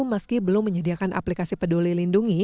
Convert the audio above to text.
meski belum menyediakan aplikasi peduli lindungi